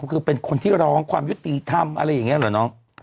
คือเป็นคนที่ร้องความยุติธรรมอะไรอย่างนี้เหรอน้อง